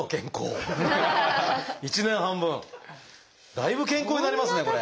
だいぶ健康になりますねこれ。